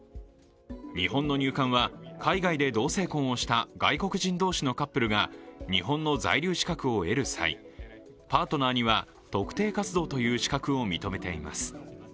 日本の入管は海外で同性婚をした外国人同士のカップルが日本の在留資格を得る際パートナーには特定活動という資格を認めています。